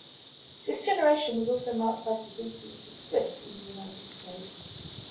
This generation was also marketed by Suzuki as the "Swift" in the United States.